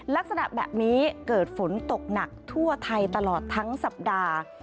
ลักษณะแบบนี้เกิดฝนตกหนักทั่วไทยตลอดทั้งสัปดาห์